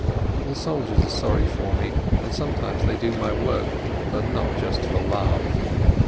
The soldiers are sorry for me, and sometimes they do my work, but not just for love.